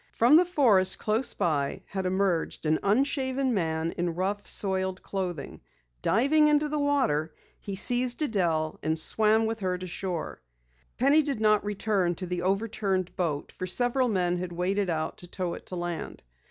From the forest close by had emerged an unshaven man in rough, soiled clothing. Diving into the water, he seized Adelle, and swam with her to shore. Penny did not return to the overturned boat for several men had waded out to tow it to land.